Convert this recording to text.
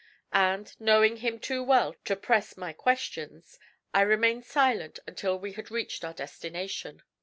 And knowing him too well to press my questions, I remained silent until we had reached our destination.